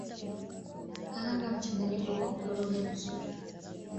Kaanga mchanganyiko kwa kukoroga vizuri